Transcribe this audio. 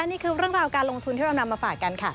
นี่คือเรื่องราวการลงทุนที่เรานำมาฝากกันค่ะ